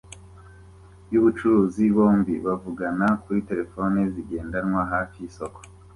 yubucuruzi bombi bavugana kuri terefone zigendanwa hafi yisoko